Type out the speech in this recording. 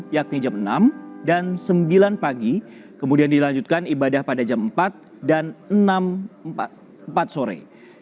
yakni jam enam dan sembilan pagi kemudian dilanjutkan ibadah pada jam empat dan enam empat sore